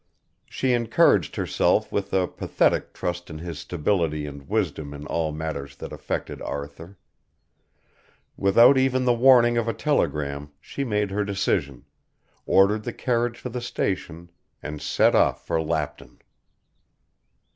She encouraged herself with a pathetic trust in his stability and wisdom in all matters that affected Arthur. Without even the warning of a telegram she made her decision, ordered the carriage for the station and set off for Lapton.